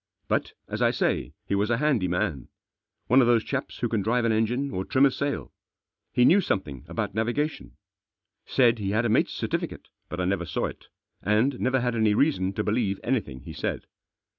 But, as I say, he was a handy man. One of those chaps who can drive an engine or trim a sail. He knew some thing about navigation. Said he had a mate's cer tificate, but I never saw it, and never had any reason to believe anything he said.